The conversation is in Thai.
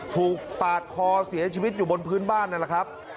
ปาดคอเสียชีวิตอยู่บนพื้นบ้านนั่นแหละครับ